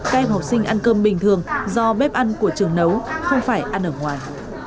các em học sinh ăn cơm bình thường do bếp ăn của trường nấu không phải ăn ở ngoài